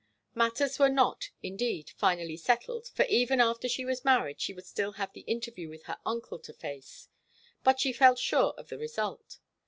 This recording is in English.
Matters were not, indeed, finally settled, for even after she was married she would still have the interview with her uncle to face; but she felt sure of the result.